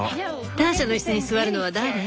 ターシャのイスに座るのは誰？